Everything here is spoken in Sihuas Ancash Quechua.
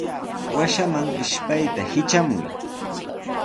Washaman ishpayta hitramuy.